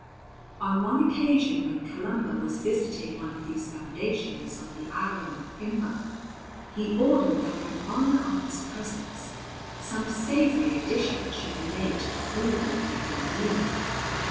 On one occasion when Columba was visiting one of these foundations on the island of Himba, he ordered that in honour of his presence, some savoury addition should be made to the frugal midday meal.